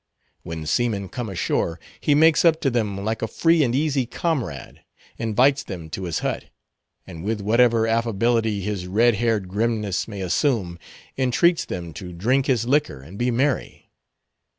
When seamen come ashore, he makes up to them like a free and easy comrade, invites them to his hut, and with whatever affability his red haired grimness may assume, entreats them to drink his liquor and be merry.